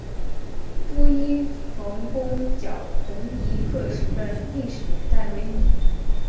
朱一冯攻剿红夷刻石的历史年代为明。